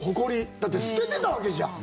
だって、捨ててたわけじゃん。